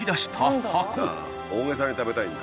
大げさに食べたいんだ。